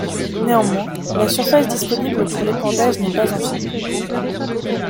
Néanmoins, la surface disponible pour l'épandage n'est pas infinie.